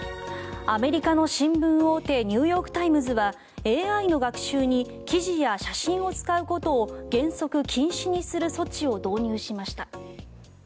アメリカの新聞大手ニューヨーク・タイムズはＡＩの学習に記事や写真を使うことを原則禁止にする措置を導入しました。